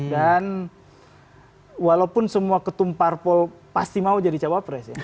dan walaupun semua ketumpar pol pasti mau jadi capa pres ya